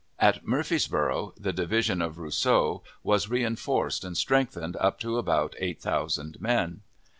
At Murfreesboro' the division of Rousseau was reenforced and strengthened up to about eight thousand men.